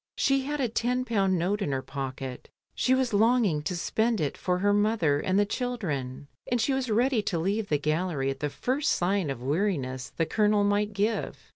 She had a ten pound note in her pocket, she was longing to spend it for her mother and the children, and she was ready to leave the gallery at the first sign of weariness the Colonel might give.